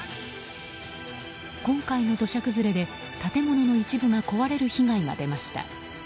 今回の土砂崩れで建物の一部が壊れる被害が出ました。